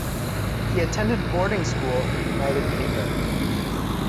He attended boarding school in the United Kingdom.